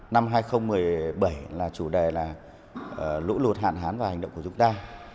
năm hai nghìn một mươi bảy là chủ đề là lũ lụt hạn hán và hành động của chúng ta